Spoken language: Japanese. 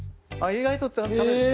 意外と食べるね。